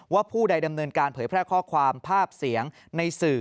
ผู้ใดดำเนินการเผยแพร่ข้อความภาพเสียงในสื่อ